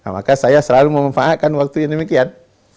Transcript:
maka saya selalu memanfaatkan waktu yang demikian